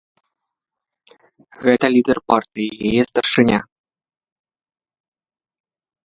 Гэта лідар партыі, яе старшыня.